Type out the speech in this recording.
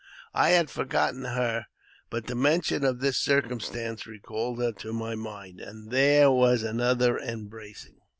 I had forgotten her, the mention of this circumstance recalled her to my mind, d there was another embracing.